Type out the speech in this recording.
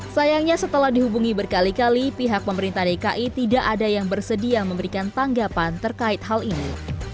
sayangnya setelah dihubungi berkali kali pihak pemerintah dki tidak ada yang bersedia memberikan tanggapan terkait hal ini